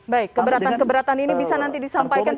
baik keberatan keberatan ini bisa nanti disampaikan